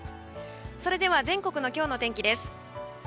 それでは全国の今日の天気です。